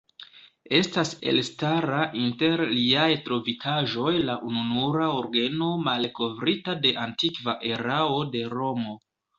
Estas elstara inter liaj trovitaĵoj la ununura orgeno malkovrita de antikva erao de Romo.